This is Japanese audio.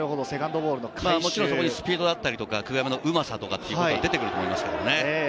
もちろんそこにスピードだったり、久我山のうまさというのが出てくると思いますけどね。